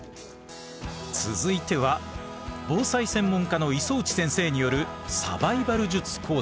続いては防災専門家の磯打先生によるサバイバル術講座です。